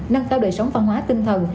nâng cao đời sống văn hóa tinh thần